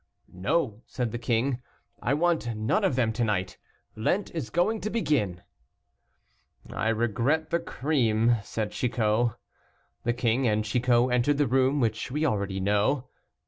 "No," said the king, "I want none of them to night; Lent is going to begin." "I regret the cream," said Chicot. The king and Chicot entered the room, which we already know.